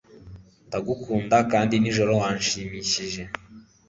ndagukunda kandi nijoro wanshimishije